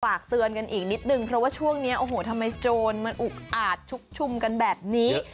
ฝากเตือนกันอีกนิดนึงเพราะว่าช่วงนี้โอ้โหทำไมโจรมันอุกอาจชุกชุมกันแบบนี้